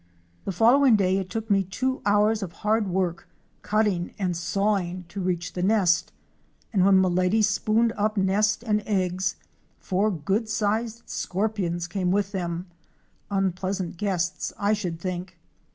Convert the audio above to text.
The following day it took me two hours of hard work, cutting and sawing, to reach the nest, and when Milady spooned up nest and eggs, four good sized scorpions came with them, unpleasant guests I should think!